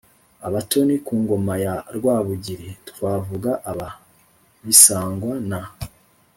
abatoni ku ngoma ya rwabugiri, twavuga aba bisangwa na